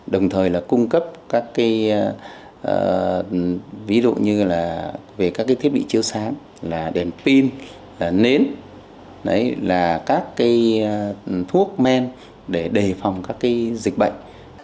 đồng thời là cung cấp các cái ví dụ như là về các cái thiết bị chiếu sáng là đèn pin là nến là các cái thuốc men để đề phòng các cái dịch bệnh